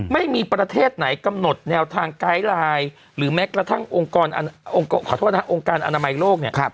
ไม่มีประเทศไหนกำหนดแนวทางไกด์ไลน์หรือแม้กระทั่งองค์ขอโทษนะครับองค์การอนามัยโลกเนี่ย